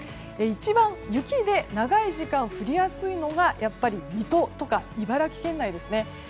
一番雪で長い時間降りやすいのはやっぱり水戸とか茨城県内ですね。